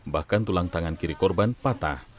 bahkan tulang tangan kiri korban patah